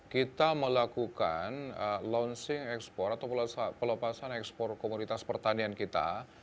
kita melakukan launching ekspor atau pelepasan ekspor komoditas pertanian kita